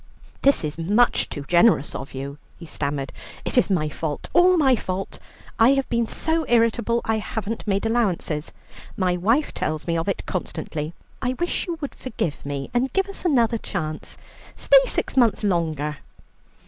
"This is much too generous of you," he stammered. "It is my fault, all my fault. I have been so irritable, I haven't made allowances. My wife tells me of it constantly. I wish you would forgive me and give us another chance. Stay six months longer."